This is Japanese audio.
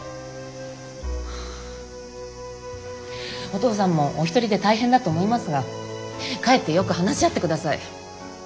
お父さんもお一人で大変だと思いますが帰ってよく話し合ってください。